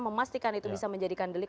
memastikan itu bisa menjadikan delik